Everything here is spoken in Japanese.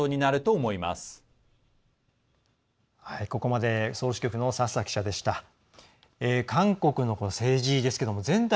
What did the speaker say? ここまでソウル支局の佐々記者でした。